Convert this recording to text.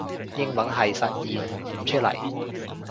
英文係實現唔出嚟